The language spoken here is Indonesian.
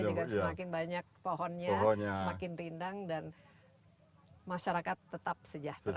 ini juga semakin banyak pohonnya semakin rindang dan masyarakat tetap sejahtera